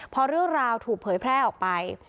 พอเรื่องราวถูกเผยแพร่ออกไป